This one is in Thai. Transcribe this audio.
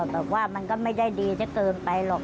แบบว่ามันก็ไม่ได้ดีเฉพาะไปหรอก